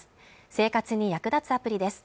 生活に役立つアプリです。